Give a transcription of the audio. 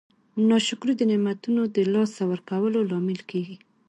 ناشکري د نعمتونو د لاسه ورکولو لامل کیږي.